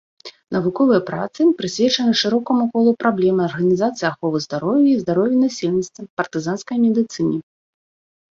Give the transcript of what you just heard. Навуковыя працы прысвечаны шырокаму колу праблем арганізацыі аховы здароўя і здароўя насельніцтва, партызанскай медыцыне.